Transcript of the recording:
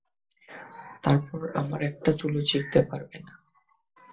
তারপর আমরা একটা চুলও ছিড়তে পারব না!